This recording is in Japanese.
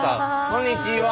こんにちは。